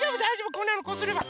こんなのこうすれば。